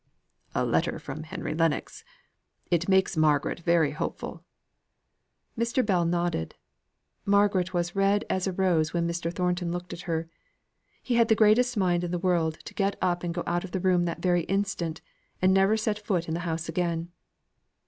"A letter from Henry Lennox. It makes Margaret very hopeful." Mr. Bell nodded. Margaret was red as a rose when Mr. Thornton looked at her. He had the greatest mind in the world to get up and go out of the room that very instant, and never set foot in the house again.